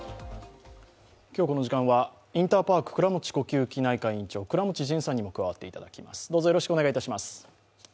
今日この時間はインターパーク倉持呼吸器内科院長、倉持仁さんにも加わっていただきます。